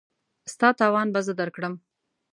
ستا تاوان به زه درکړم.